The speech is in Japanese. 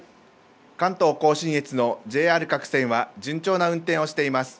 関東甲信越のＪＲ各線は順調な運転をしています。